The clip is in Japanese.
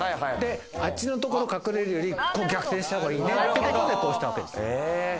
あっちのところが隠れるよりこう逆転したほうがいいねということでこうしたわけです。